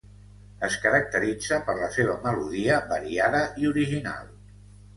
Es caracteritza per la seva melodia variada i original.